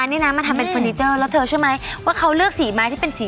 เก๋ไก่สไลเดอร์ไปเลยเถอะ